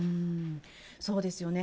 そうですね。